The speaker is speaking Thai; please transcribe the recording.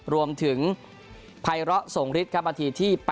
รวมถึงภัยเหราะสงฤทธิ์ครับอันที่ที่๘๙